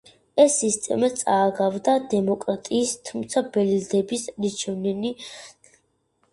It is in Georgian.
ეს სისტემა წააგავდა დემოკრატიას, თუმცა ბელადებს ირჩევდნენ ძლევამოსილი ოჯახები.